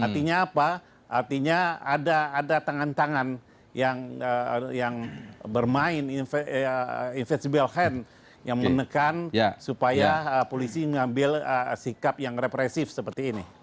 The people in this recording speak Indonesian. artinya apa artinya ada tangan tangan yang bermain invisible hand yang menekan supaya polisi mengambil sikap yang represif seperti ini